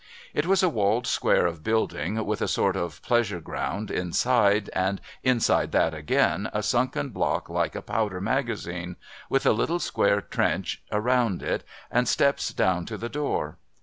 It was a walled square of building, with a sort of pleasure ground inside, and inside that again a sunken block like a powder magazine, with a little square trench round it, and steps down to the door.